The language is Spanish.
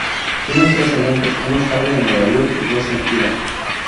Tiene tres elencos, uno estable en Nueva York y dos de gira.